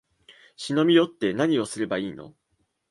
忍び寄って、なにをすればいいの？